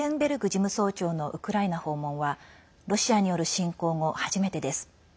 事務総長のウクライナ訪問はロシアによる侵攻後、初めてです。